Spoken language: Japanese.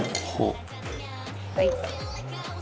はい。